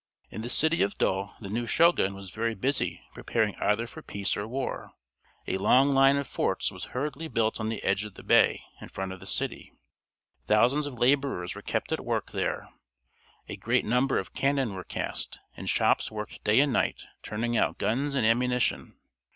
In the city of Yedo the new Shogun was very busy preparing either for peace or war. A long line of forts was hurriedly built on the edge of the bay in front of the city. Thousands of laborers were kept at work there, a great number of cannon were cast, and shops worked day and night turning out guns and ammunition.